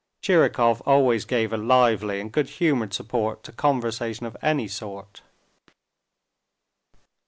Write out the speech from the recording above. Tchirikov always gave a lively and good humored support to conversation of any sort.